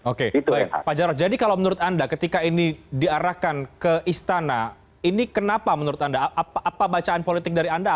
oke baik pak jarod jadi kalau menurut anda ketika ini diarahkan ke istana ini kenapa menurut anda apa bacaan politik dari anda